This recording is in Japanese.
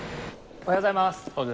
おはようございます。